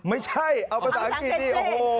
ไม่ใช่เอากะสาหกีฝี